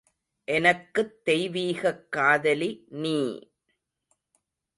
எனக்குத் தெய்வீகக் காதலி நீ!